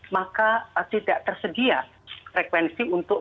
maka tidak tersedia frekuensi untuk lima g